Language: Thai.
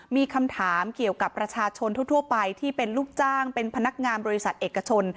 มีคำถามเกี่ยวกับประชาชนทั่วไปที่เป็นลูกจ้างเป็นพนักงานบริษัทเอกชน